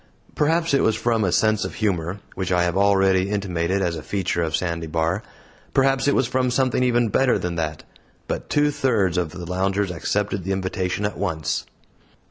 Perhaps it was from a sense of humor, which I have already intimated was a feature of Sandy Bar perhaps it was from something even better than that; but two thirds of the loungers accepted the invitation at once.